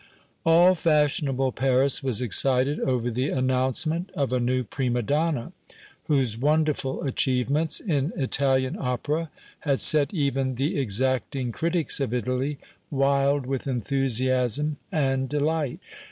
All fashionable Paris was excited over the announcement of a new prima donna, whose wonderful achievements in Italian opera had set even the exacting critics of Italy wild with enthusiasm and delight.